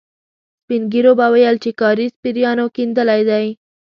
سپين ږيرو به ويل چې کاریز پېريانو کېندلی دی.